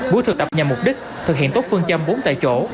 buổi thực tập nhằm mục đích thực hiện tốt phương châm bốn tại chỗ